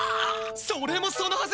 それもそのはず